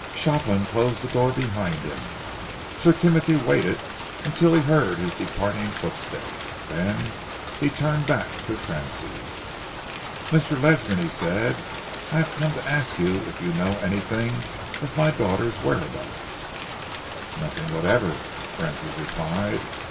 Shopland closed the door behind him. Sir Timothy waited until he heard his departing footsteps. Then he turned back to Francis. "Mr. Ledsam," he said, "I have come to ask you if you know anything of my daughter's whereabouts?" "Nothing whatever," Francis replied.